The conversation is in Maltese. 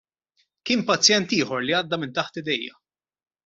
Kien pazjent ieħor li għadda minn taħt idejja.